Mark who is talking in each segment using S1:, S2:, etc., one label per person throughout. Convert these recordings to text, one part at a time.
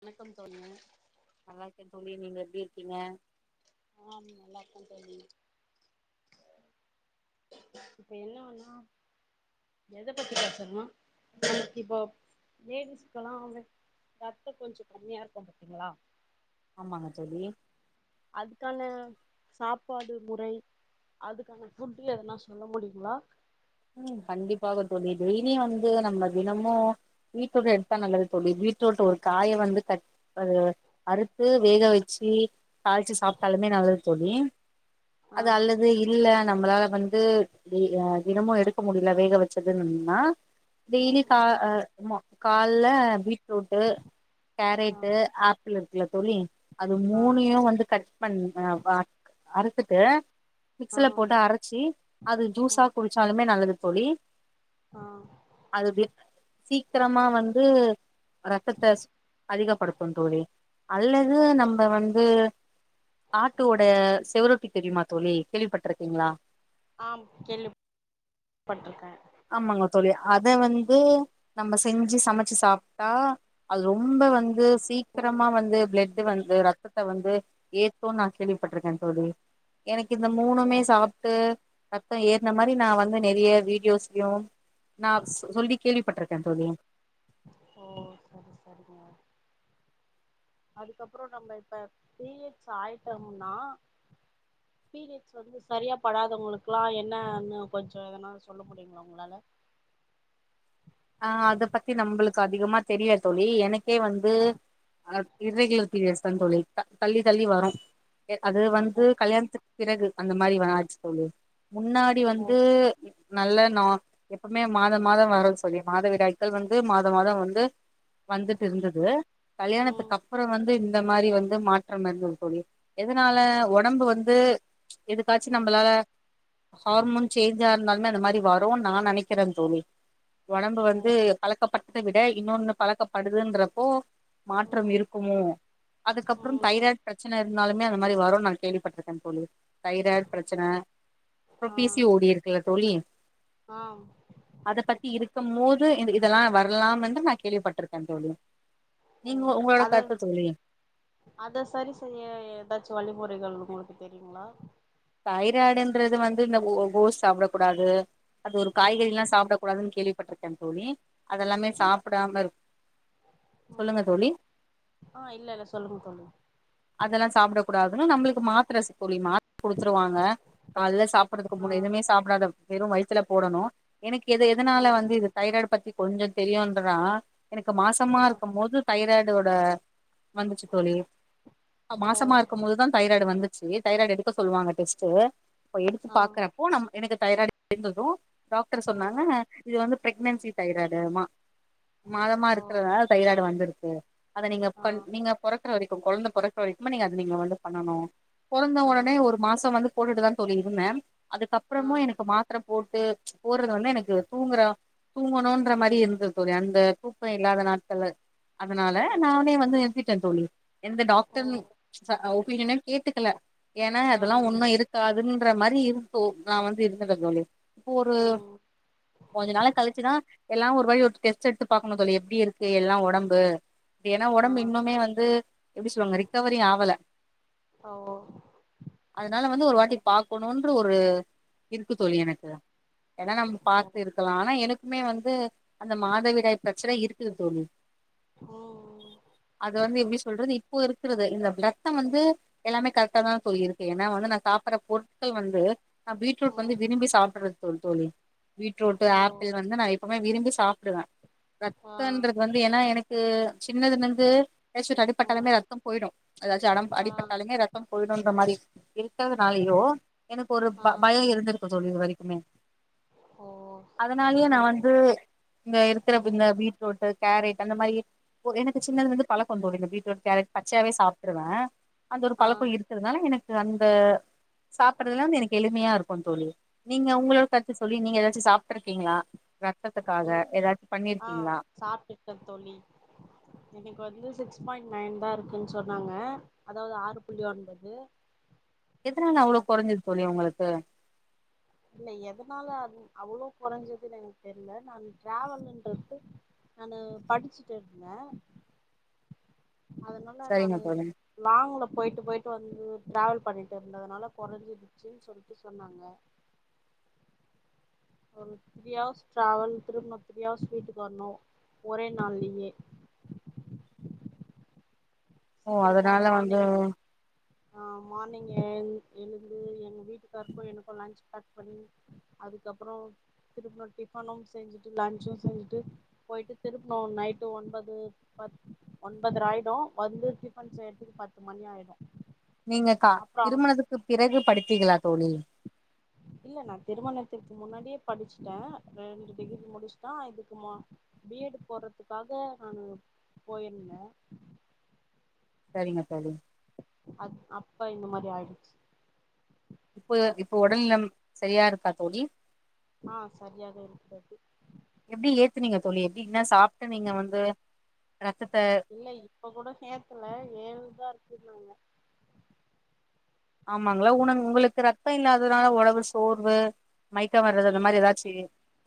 S1: வணக்கம் தோழி
S2: நல்லாருக்கே தோழி நீங்க எப்படி இருக்கீங்க
S1: ஆம் நல்லாருக்கே தோழி இப்ப என்னனா எத பத்தி பேசானும்னா நமக்கு இப்போ லேடிஸ்க்கெல்லா ரத்தம் கொஞ்ச கம்மியா இருக்கு பாத்தீங்களா
S2: ஆமாங்க தோழி
S1: அதுக்கான சாப்பாடு முறை அதுக்கான ஃபுட் எதுனா சொல்ல முடியுங்களா
S2: உம் கண்டிப்பாக தோழி டெய்லியு வந்து நம்ம தினமும் பீட்ரூட் எடுத்தா நல்லது தோழி பீட் ரூட் ஒரு காய வந்து அறுத்து வேக வச்சு தாள்ச்சி சாப்ட்டாலுமே நல்லது தோழி
S1: ஆ
S2: அது அல்லது இல்ல நம்மளால வந்து தினமு எடுக் க்க முடியல வேக வச்சது அப்டின்னா டெய்லி
S1: ம்
S2: கா கால்ல பீட்ரூட்டு்
S1: ஆ
S2: கேரட்டு அ இருக்குல்ல தோழி அது
S1: ஆ
S2: மூணையு வந்து கட் பண்ணுங்க வ அறுத்துட்டு
S1: ஆ
S2: மிக்சில போட்டு அரைச்சி அத
S1: ஆ
S2: ஜூஸா குடிச்சாலுமே நல்லது தோழி
S1: ஆ
S2: அது வே சீக்கிரமா வந்து ரத்தத்த சு அதிகப்படுத்து தோழி அல்லது நம்ம வந்து ஆட்டோட செவரொட்டி தெரியுமா தோழி கேள்விப்பட்டிருக்கீங்களா
S1: ஆம் கேள்வி பட்ருக்கே
S2: ஆமாங்க தோழி அத வந்து நம்ம செஞ்சு சமைச்சு சாப்பிட்டா அது ரொம்ப வந்து
S1: ம்
S2: சீக்கிரமா வந்து பிளட்டு வந்து ரத்தத்த வந்து ஏத்துன்னு நா கேள்விப்பட்டிருக்கே தோழி எனக்கு இந்த
S1: ஓ
S2: மூணுமே சாப்ட்டு ரத்த ஏற்ன மாரி நா வந்து நிறைய வீடியோஸ் ம் நா சொல்லி கேள்விப்பட்ருக்கே தோழி
S1: ஓ சரி சரிங்க அதுக்கப்புறம் நம்ம இப்ப பீரியட்ஸ் ஆயிட்டம்னா பீரியட்ஸ் வந்து சரியா படாதவங்களுக் எல்லா என்னன்னு கொஞ்ச எதனா சொல்ல முடியுங்களா உங்களால
S2: எனக்கு அதிகமா தெரியாது தோழி எனக்கே வந்து
S1: ஆ
S2: இர்ரெகுலர் பீரியட்ஸ் தா தோழி தள்ளி தள்ளி வரும் அது வந்து
S1: ஓ
S2: கல்யாணத்துக்கு பிறகு அந்த மாரி ஆச்சு தோழி முன்னாடி
S1: ஓ
S2: வந்து நல்ல நார் எப்பவுமே மாதம் மாதம் வரு தோழி மாதவிடாய்க்கள் வந்து மாத மாத வந்து வந்துட்டு இருந்தது
S1: ம்
S2: கல்யாணத்துக்கு அப்புறம் வந்து இந்த மாதிரி வந்து மாற்ற இருந்தது தோழி எதனால உடம்பு வந்து எதுக்காச்சு
S1: ம்
S2: நம்மளால ஹார்மோன் சேஞ்சா இருந்தா இந்த மாரி வரும் நா நினைக்கிறே தோழி உடம்பு
S1: ஓ
S2: வந்து பலக்கப்பட் பலக்கத்த விட இன்னொன்னு பழக்கப்படுதுன்றப்போ மாற்ற
S1: ம்
S2: இருக்குமோ அதுக்கப்புறம்
S1: ம்
S2: தைராய்டு பிரச்சன இருந்தாலுமே அந்த மாரி வரும் நா கேள்விப்பட்டிருக்கே தோழி தைராய்டு பிரச்சன அப்புற
S1: ஆ
S2: பி சி ஓடி இருக்குல்ல தோழி
S1: ஆ
S2: மோது இதெல்லா வரலா என்று நா கேள்விப்பட்ருக்கே தோழி
S1: ஓ
S2: நீங்க உங்களோட
S1: அத
S2: கருத்து தோழி
S1: அத சரி செய்ய ஏதாச்சு வழிமுறைகள் உங்களுக்கு தெரியுங்களா
S2: தைராய்டுன்றது வந்து இந்த கோஸ் சாப்பிடக் கூடாது அது ஒரு
S1: ம்
S2: காய்கறில்லா சாப்பிட கூடாதுன் கேள்விப்பட்டிருக்கே தோழி அதெல்லாமே
S1: டி
S2: சாப்பிடாம இருக்
S1: ம்
S2: சொல்லுங்க தோழி
S1: ஆ இல்ல இல்ல சொல்லுங்க தோழி
S2: அதெல்லா சாப்பிடக்க கூடாதுனு நம்மளுக்கு மாத்திர தோழி மாத் குடுத்துருவாங்க கால்ல சாப்படுறதுக்கு
S1: ஆ
S2: முன்னு எதுவுமே சாப்பிடாத வெறு வயித்ல போடணு எனக் எது எதனால
S1: ம்
S2: வந்து இது தைராய்டு பத்தி கொஞ்ச தெரியும்ன்றா எனக்கு மாசமா
S1: ஆ
S2: இருக்கு போது தைராய்டோட வந்துச்சு தோழி
S1: ஓ
S2: மாசமா இருக்கு போதுதா தைராய்டு வந்துச்சு தைராய்டு எடுக்க சொல்லுவாங்க டெஸ்ட்டு இப்ப எடுத்து
S1: ஆ
S2: பாக்கறப்போ நம் எனக்கு தைராய்டு இருந்தது டாக்டர்
S1: ம்
S2: சொன்னாங்க இது வந் பிரெக்னன்சி தைராய்டு மா மாதமா
S1: ஓ
S2: இருக்கறதுனால தைராய்டு வந்திருக்கு அத நீங்க
S1: ஆ
S2: கண் நீங்க பொறக்குற வரைக்கு குழந்த பொறக்கற வரைக்கும் நீங்க அத நீங்க வந்து பண்ணணு பொறந்த
S1: ஆ
S2: உடனே ஒரு மாசம் வந்து போட்டுட்டுதா தோழி இருந்தே
S1: ஆ
S2: அதுக்கப்புறமு எனக்கு மாத்திர போட்டு போடுறது வந்து எனக்கு தூங்குறா தூங்கணுன்ற மாதிரி இருந்தது தோழி அந்த தூக்க இல்லாத நாட்கள்ல அதனால
S1: ம்
S2: நானே வந்து நிறுத்திட்டே தோழி எந்த
S1: ஓ
S2: டாக்டர் ஒபீனியனு கேட்டுக்கல ஏன்னா
S1: ஆ
S2: அதெல்லா ஒண்ணு இருக்காதுன்ற மாதிரி இருக்கு நா வந்து இருந்துடே தோழி இப்போ ஒரு
S1: ம்
S2: கொஞ்ச நாளா கழிச்சுதா எல்லா ஒரு வழி ஒரு டெஸ்ட் எடுத்து பா்க்கணு தோழி எப்படி இருக்கு எல்லா உடம்பு அப்டி ஏன்னா
S1: ஆ
S2: உடம்பு இன்னுமே வந்து எப்டி சொல்லுவாங்க ரிக்கவரி ஆவல
S1: ஓ
S2: அதனால வந்து ஒரு வாட்டி பாக்கணுன்ற ஒரு இருக்கு தோழி எனக்கு ஏன்னா நம்ம பார்த்து இருக்கலா ஆனா எனக் இன்னுமே வந்து அந்த மாதவிடாய் பிரச்சன இருக்குது தோழி
S1: ஓ ம்
S2: அது வந்து எப்டி சொல்றது இப்போ இருக் இருக்குறது இந்த ரத்தம் வந்து எல்லாமே கரெக்டா தா தோழி இருக்கு ஏன்னா வந்து நா சாப்டர பொருட்கள் வந்து நா பீட்ரூட்
S1: ம்
S2: வந்து விரும்பி சாப்பிடுறது தோல் தோழி பீட்ரூட்டு
S1: ஓ
S2: ஆப்பிள் வந்து நா எப்பவுவே விரும்பி சாப்பிடுவ
S1: ஆ
S2: ரத்தன்றது வந்து ஏன்னா எனக்கு சின்னதுலந்து பேசட்டு
S1: ஓ
S2: அடிப்பட்டட்டாலுமே ரத்தம் போயிடு ஏதாச்சும் அடம்
S1: ஆ
S2: அடிப்பட்டாலுமே ரத்தம் போயிடும்ன்ற மாரி இருக்கதுனாலயோ எனக்கு ஒரு
S1: ஆ
S2: ப பயம் இருந்திருக்கு தோழி இது வரைக்குமே
S1: ஓ
S2: அதனாலயே நா
S1: சரி
S2: வந்து இந்த இருக்கிற
S1: ம்
S2: இந்த பீட்ரூட்டு் கேரைட் அந்த மாரி எனக்கு சின்னதுல இருந்து பழக்கோ தோழி இந்த பீட்ரூட் கேரட் பச்சையாவே சாப்ட்ருவே அந்த ஒரு
S1: ஆ
S2: பழக்கம் இருக்கிறதுனால எனக்கு அந்த சாப்பிறதுலா எனக்கு எளிமையா இருக்கு தோழி நீங்க உங்களோட கருத்து தோழி நீங்க ஏதாச்சு சாப்ட்டுருக்கீங்களா ரத்தத்துக்காக
S1: இல்
S2: ஏதாச்சு
S1: ஆ
S2: பண்ணிருக்கீங்களா
S1: சாப்ட்டுட்டே தோழி எனக்கு வந்து சிக்ஸ் பாயிண்ட் நைன் தா இருக்குன்னு சொன்னாங்க அதாவது ஆறு புள்ளி ஒன்பது
S2: எதனால அவ்ளோ
S1: அதுக்கு
S2: கொறஞ்சது தோழி உங்களுக்கு
S1: இல்ல எதனால அவ்ளோ கொறைஞ்சதுன்னு எனக்கு தெரில நானு டிராவல்ன்றது நானு படிச்சுட்டு இருந்த அதனால
S2: சரிங்க
S1: நானு
S2: தோழி
S1: லாங்க்ல போயிட்டு போயிட்டு வந் டிராவல் பண்ணிட்டு இருந்ததுனால கொறஞ்சிடுச்சுன்னு சொல்லிட்டு சொன்னாங்க ஒரு த்ரீ அவர்ஸ் ட்ராவல் திரும்ப த்ரீ அவர்ஸ் வீட்டுக்கு வரணு ஒரே நாள்லயே
S2: ஓ அதனால வந்து
S1: ஆமா மார்னிங் எஞ் எழுந்து எங்க வீட்டுக்காரருக்கு எனக்கு லன்ச் பேக் பண்ணி அதுக்கப்பற திரும்ப டிஃபனு செஞ்சுட்டு லன்ச்சு செஞ்சுட்டு போயிட்டு திரும்ப நைட்டு ஒன்பது பத் ஒன்பதர ஆயிடு வந்து டிஃபன் செய்றதுக்கு பத்து மணி ஆயிடு
S2: நீங்க கா
S1: அப்புறோ
S2: திருமணத்துக்குப் பிறகு படிச்சீங்களா தோழி
S1: இல்ல நா திருமணத்துக் முன்னாடியே படிச்சுட்ட ரெண்டு டிகிரி முடிஷ்ட்ட அ இதுக்குமா பி எட்டு போட்றதுக்காக நானு போயிர்ந்த
S2: சரிங்க தோழி
S1: அத் அப்ப இந்த மாரி ஆய்டுச்சு
S2: இப்ப இப்ப ஒடல்நலம் செரியாருக்கா தோழி
S1: ஆ சரியாக இருக்கிறது
S2: த்துனீங்க தோழி எப்டி இன்ன சாப்ட்டு நீங்க வந்து ரத்தத்த
S1: இல்ல இப்ப கூட ஏத்தல ஏழுதா இருக்குன்னாங்க
S2: ஆமாங்ளா உனங் உங்களுக்கு ரத்தோ இல்லாதனால ஒடம்பு சோர்வு மயிக்க வர்றது அந்த
S1: ம்
S2: மாரி எதாச்சி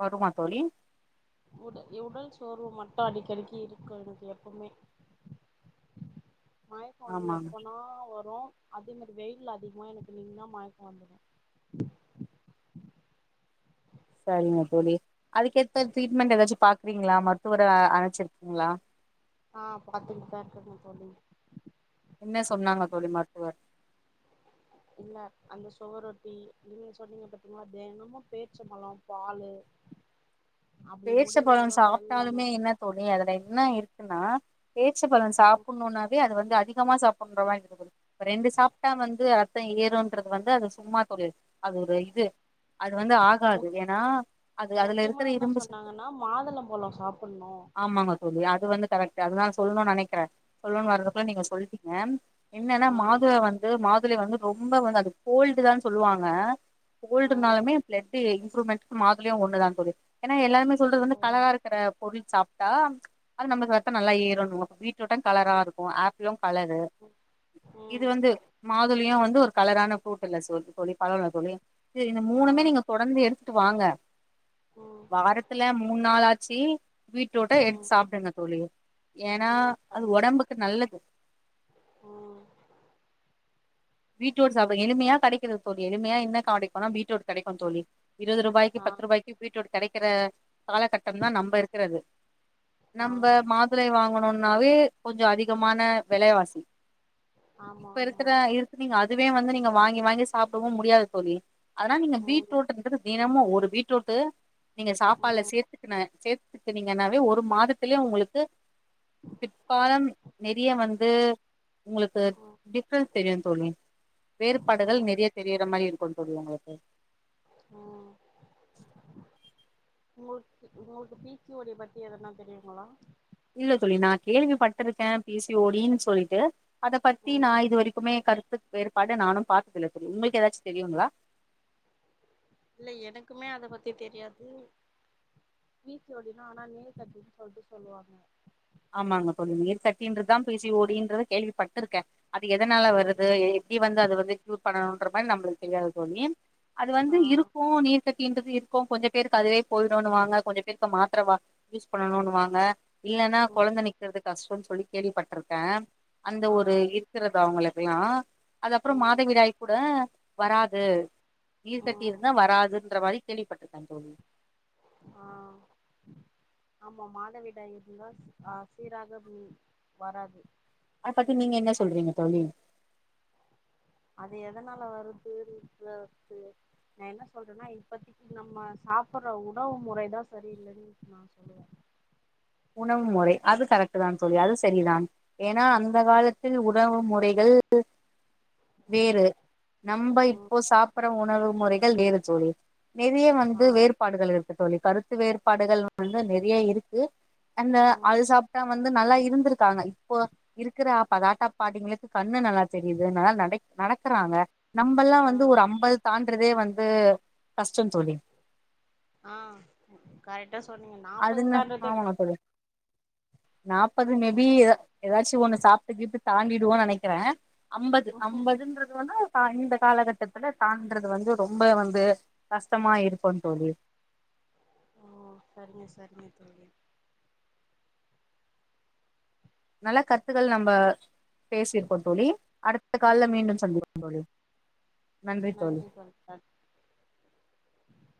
S2: வருமா தோழி
S1: உட உடல் சோர்வு மட்டு அடிக்கடிக்கி இருக்கு எனக்கு எப்புவ்மே மயக்கோ வந்து
S2: ஆமாங்க
S1: எப்பனா வரு அதே மாரி வெயில்ல அதிகமா எனக்கு நின்னா மயக்கோ வந்துடோ
S2: செரிங்க தோழி அதுக்கேத்த ட்ரீட்மெண்ட் எதாச்சு பாக்குறீங்ளா மருத்துவர அ அழச்சிருக்கீங்ளா
S1: ஆ பாத்துட்டுதா‌ இருக்கங்க தோழி
S2: என்ன சொன்னாங்க தோழி மருத்துவர்
S1: இல்ல அந்த சொவரொட்டி நீங் சொன்னீங்க பாத்தீங்ளா தெனமு பேர்ச்சம்பழோ பாலு அப்டி
S2: பேர்ச்சபழோ
S1: முடியலன்னா வெல்லம்
S2: சாப்ட்டாலுமே என்ன தோழி அதுல என்ன இருக்குன்னா பேர்ச்சபழோ
S1: ம்
S2: சாப்புணுன்னாவே அது வந்து அதிக கமா சாப்புன்ற மாரி இருக்கு தோழி ரெண்டு சாப்ட்டா வந்து ரத்த ஏறுன்றது வந்து அது சும்மா தோழி அது ஒரு இது அது வந்து
S1: மு
S2: ஆகாது ஏன்னா அது அதுல இருக்குற இரும்புசத்
S1: ன்னா மாதுளம்பழோ சாப்புண்ணோ
S2: ஆமாங்க தோழி அது வந்து கரெக்ட்டா அதுதா நா சொல்னு நெனைக்கிற சொல்னுன் வர்றதுக்குள்ள நீங்க சொல்ட்டீங்க என்னென்னா
S1: ஆ
S2: மாதுள வந்து மா துளை வந்து ரொம்ப வந்து அது கோல்டுதான் சொல்லுவாங்க கோல்ட்
S1: ஆ
S2: இர்ந்தாலுமே ப்ளெட்டு இம்ப்ரூமெண்ட்க்கு மாதுளையு ஒன்னுதா தோழி ஏன்னா எல்லாருமே சொல்றது
S1: ஓ
S2: வந்து கலரா இருக்கற பொருள் சாப்ட்டா அது நம்ப்ளுக் ரத்தோ நல்லா ஏறுன்வோ பீட்ரூட்டு கலராருக்கு ஆப்பிளு கலரு இது
S1: ம்
S2: வந்து மாதுளியு வந்து ஒரு கலரான ஃப்ருட் இல்ல சொ தோழி பழோ இல்ல தோழி இது
S1: ஆ
S2: மூணுமே நீங்க தொடந்து எடுத் ட்டு வாங்க
S1: ம்
S2: வாரத்துல மூண் நாளாச்சி பீட்ரோட்ட
S1: ம்
S2: எடுத் சாப்டுங்க தோழி ஏன்னா
S1: ம்
S2: அது
S1: பண்ணிருப்பா
S2: ஒடம்புக்கு நல்லது
S1: ம்
S2: பீட்ரூட் சாப்டுங் எளிமையா கடைக்குது தோழி எளிமையா என்ன கடைக்குனா பீட்ரூட் கடைக்கு தோழி இருவது ருபாய்க்கி
S1: ஆ
S2: பத்து ருபாய்க்கி பீட்ரூட் கெடைக்கிற காலகட்டம்தா நம்ப இருக்குறது
S1: ஆ
S2: நம்ப மாதுளை வாங்கணுனாவே கொஞ்சோ அதிகமான வெலைவாசி
S1: ஆமா
S2: இப்ப இருக்கிற
S1: ஆமா
S2: இருக்கு நீங்க அதுவே வந்து நீங்க வாங்கி வாங்கி சாப்டவு முடியாது தோழி அதனால் நீங்க
S1: ம்
S2: பீட்ரூட்டுன்றது தினமு ஒரு பீட்ரோட்டு் நீங்க சாப்பால்ல
S1: ம்
S2: சேர்த்துக்கின சேத்துக்கனீங்கன்னாவே ஒரு மாதத்துலே உங்களுக்கு பிற்பாலம் நெறிய வந்து உங்களுக்கு
S1: ம்
S2: டிஃப்ரன் தெரியு தோழி வேறுபாடுகள்
S1: ம்
S2: நிறைய தெரியிர மாரி கொண்டுவரு இல்லியா உங்களுக்கு
S1: அ உங்களுக்கு உங்களுக்கு பி சி ஓ டி பத்தி எதன்னா தெரியுங்களா
S2: இல்ல தோழி நா கேள்விப்பட்ருக்கே பி சி ஓ டினு சொல்லிட்டு அத பத்தி
S1: ம்
S2: நா இது வரிக்குமே கருத்து வேறுபாடு நானு பாத்ததுல தோழி உங்களுக் ஏதாச் தெரியுங்ளா
S1: இல்ல எனக்குமே அத பத்தி தெரியாது பி சி ஓ டின்னா ஆனா நீர் கட்டினு சொல்ட்டு சொல்லுவாங்க
S2: ஆமா அங்க கொஞ்ச நீர் கட்டின்றத்தா பி சி ஓ டின்றத கேள்விப்பட்டுருக்கே அது எதனால
S1: ம்
S2: வருது எ எப்டி வந்து அது வந்து க்யூர் பண்ணணுன்ற மாரி நம்பளுக்கு தெரியாது தோழி அது வந்து
S1: ஆ
S2: இருக்கு நீர் கட் டிற்றது இருக்கு கொஞ்ச பேருக்கு அதுவே போயிடுனுவாங்க கொஞ்ச பேருக்கு மாத்தர வா யூஸ் பண்ணணுனு வாங்க இல்ல
S1: ம்
S2: கொழந்த நிக்கிறது கஷ்டோன் சொல்லி கேள்விபட்ருக்கே அந்த
S1: ஆ
S2: ஒரு இருக்கிறது அவுங்கள குள்ளா அது அப்பறோ
S1: ம்
S2: மாதைவிடாய் கூட வராது நீர் கட்டி
S1: ம்
S2: இருந்தா வராதுன்ற மாரி கேள்விபட்ருக்கே தோழி
S1: ஆ ஆமா மாதவிடாய் இருந்தா அ சீராக ப்ளீ வராது
S2: அத பத்தி நீங்க என்ன சொல்றீங்க தோழி
S1: அது எதனால வருது [inaudible] நா என்ன சொல்றேன்னா இப்பத்திக்கி நம்ம சாப்பற்ற உணவு முறைதா சரியில்லைன்னு நா சொல்லுவே
S2: உணவு முறை அது கரெட்டு தான் தோழி அது சரிதான் ஏன்னா அந்த காலத்தில் உணவு முறைகள்
S1: ம்
S2: வேறு நம்ப
S1: ம்
S2: இப்போ சாப்பற்ற உணவு முறைகள் வேறு தோழி நெறைய
S1: ஆ
S2: வந்து வேறுபாடுகள் இருக்கு தோழி கருத்து வேறுபாடுகள் வந்து நெறைய இருக்கு அந்த அது
S1: ம்
S2: சாப்ட்டா வந்து நல்லா இருந்திருக்காங்க இப்போ இருக்குற தாத்தா பாட்டிங்களுக்கு கண்ணு நல்லா தெரிது நல்லா நடை நடக்குறாங்க நம்பல்லா
S1: ஆ
S2: வந்து ஒரு அம்பது தாண்டறதே வந்து கஷ்டந் தோழி
S1: ஆ கரெக்டா சொன்னீங்க நாப்பத
S2: அதுன்னு
S1: தாண்ரதே
S2: ஆமாங்க தோழி நாப்பது மேபி எதா எதாச்சு ஒண்ணு சாப்ட்டு கீப்டு தாண்டிடுவோனு நெனைக்கிறே அம்பது அம்பதுன்றது வந்து இப்ப இந்த காலகட்டத்துல தான்றது வந்து ரொம்ப வந்து கஷ்டமா இருக்குந் தோழி
S1: ஓ சரிங்க சரிங்க தோழி
S2: நல்ல கருத்துக்கள் நம்ம பேசிருக்கோ தோழி அடுத்த கால்ல
S1: ம்
S2: மீண்டும் சந்திப்போ தோழி
S1: நன்றி [unintelligible]